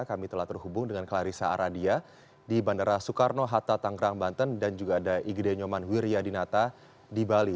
kami telah terhubung dengan clarissa aradia di bandara soekarno hatta tanggerang banten dan juga ada igde nyoman wiryadinata di bali